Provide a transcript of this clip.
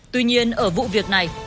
tuy nhiên ở vụ việc này